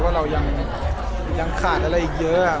ว่าเรายังขาดอะไรอีกเยอะ